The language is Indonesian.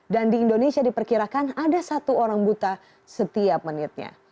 di indonesia diperkirakan ada satu orang buta setiap menitnya